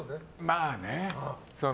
まあね。